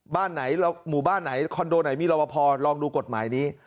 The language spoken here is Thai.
บ้านไหนหมู่บ้านไหนคอนโดไหนมีรอบพอลองดูกฎหมายนี้